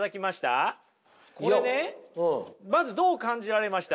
これねまずどう感じられました？